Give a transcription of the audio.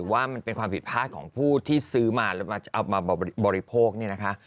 ว่ามันเป็นความผิดพลาดของผู้ที่ซื้อมาแล้วมาเอามาบริโภคเนี่ยนะคะ